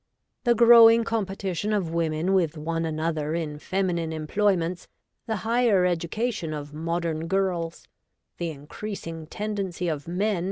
The growing competition of women with one another in feminine employments, the higher education of modern girls, the increasing tendency of men.